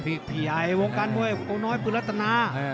พี่ใหญ่วงการมวยโกน้อยปืนรัตนา